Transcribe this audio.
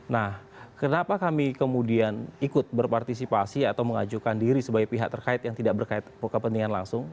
nah kenapa kami kemudian ikut berpartisipasi atau mengajukan diri sebagai pihak terkait yang tidak berkait kepentingan langsung